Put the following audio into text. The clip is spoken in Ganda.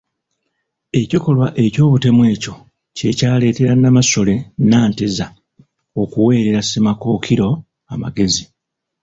Ekikolwa eky'obutemu ekyo kye kyaleetera Namasole Nanteza okuweerera Ssemakookiro amagezi.